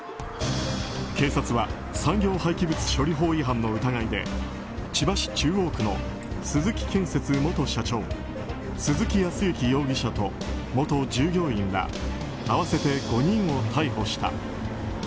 警察は産業廃棄物処理法違反の疑いで千葉市中央区の鈴木建設元社長鈴木康之容疑者と元従業員ら合わせて５人を逮捕した。